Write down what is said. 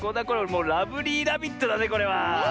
もうラブリーラビットだねこれは。